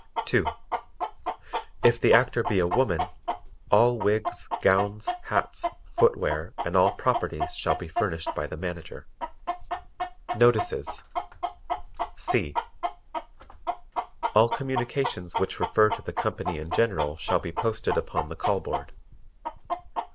(2) If the Actor be a woman, all wigs, gowns, hats, footwear and all "properties" shall be furnished by the Manager. Notices C. All communications which refer to the company in general shall be posted upon the call board.